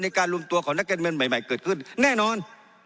การรวมตัวของนักการเมืองใหม่เกิดขึ้นแน่นอน